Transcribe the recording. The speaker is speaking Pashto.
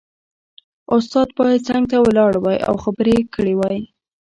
استاد باید څنګ ته ولاړ وای او خبرې یې کړې وای